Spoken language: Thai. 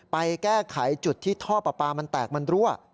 ไปแก้ไขจุดที่ท่อปลาปลามันแตกมันรั่ว